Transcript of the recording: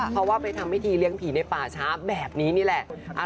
เพราะว่าไปทำพิธีเลี้ยงผีในป่าช้าแบบนี้นี่แหละ